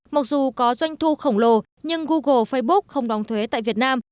mặc dù có doanh thu khổng lồ nhưng google facebook không đóng thuế tại việt nam